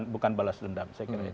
bukan balas dendam